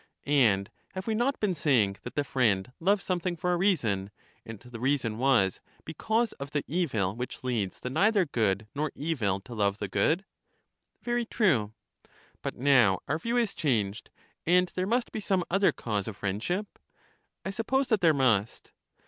And have we not been saying that the friend loves something for a reason? and the reason was because of the evil which leads the neither good nor evil to love the good? Very true. But now our view is changed, and there must be some other cause of friendship? I suppose that there must.